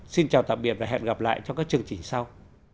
xin chào tạm biệt và hẹn gặp lại trong các chương trình sau